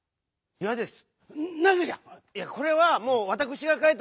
いやです！